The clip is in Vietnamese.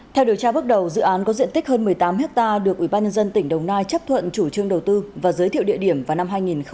theo điều tra bước đầu dự án có diện tích hơn một mươi tám hectare được ủy ban nhân dân tỉnh đồng nai chấp thuận chủ trương đầu tư và giới thiệu địa điểm vào năm hai nghìn một mươi sáu